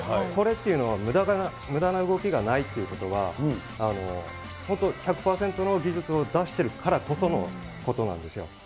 これっていうのは、むだな動きがないっていうことは、本当１００％の技術を出してるからこそのことなんですよ。